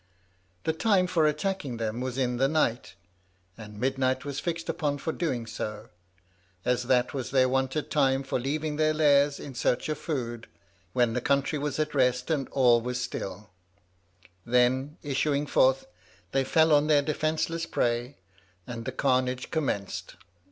The time for attacking them was in the night, and midnight was fixed upon for doing so, as that was their wonted time for leaving their lairs in search of food, when the country was at rest and all was still; then, issuing forth, they fell on their defenceless prey, and the carnage commenced.